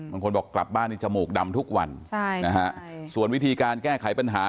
บางคนบอกกลับบ้านนี่จมูกดำทุกวันใช่นะฮะส่วนวิธีการแก้ไขปัญหา